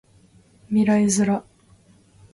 未来ズラ